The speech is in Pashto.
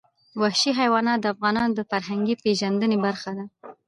وحشي حیوانات د افغانانو د فرهنګي پیژندنې برخه ده.